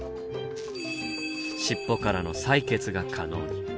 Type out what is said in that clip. しっぽからの採血が可能に。